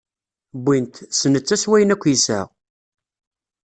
Wwin-t, s netta, s wayen akk yesɛa.